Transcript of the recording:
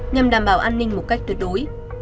nhằm đảm bảo an ninh một cách đối đối